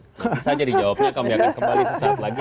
nanti saja dijawabnya kami akan kembali sesaat lagi